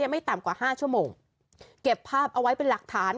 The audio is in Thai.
ไม่ต่ำกว่าห้าชั่วโมงเก็บภาพเอาไว้เป็นหลักฐาน